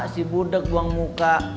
si budak buang muka